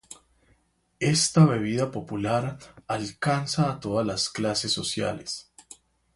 Esta bebida popular alcanza a todas las clases sociales.